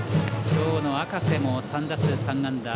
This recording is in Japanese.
今日の赤瀬も３打数３安打。